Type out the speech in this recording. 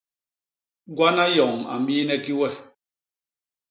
Gwana yoñ a mbiine ki we?